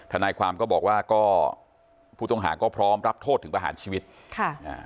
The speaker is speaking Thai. ทนายความก็บอกว่าก็ผู้ต้องหาก็พร้อมรับโทษถึงประหารชีวิตค่ะอ่า